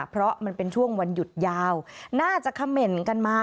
เพราะมันเป็นช่วงวันหยุดยาวน่าจะเขม่นกันมา